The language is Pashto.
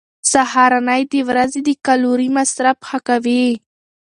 سهارنۍ د ورځې د کالوري مصرف ښه کوي.